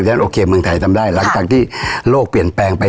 ฉะโอเคเมืองไทยทำได้หลังจากที่โลกเปลี่ยนแปลงไป